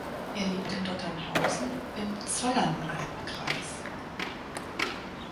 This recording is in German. Er lebt in Dotternhausen im Zollernalbkreis.